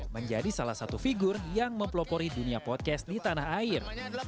menjadi salah satu figur yang mempelopori dunia podcast di tanah air